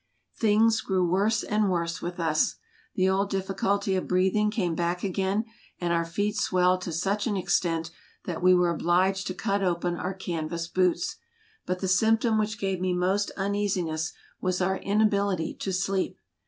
Things grew worse and worse with us ; the old difficulty of breathing came back again, and our feet swelled to such an extent that we were obliged to cut open our canvas boots. But the symptom which gave me most uneasiness was our inability to sleep.